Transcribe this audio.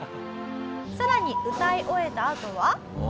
更に歌い終えたあとは。